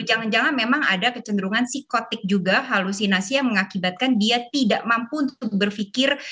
jangan jangan memang ada kecenderungan psikotik juga halusinasi yang mengakibatkan dia tidak mampu untuk berpikir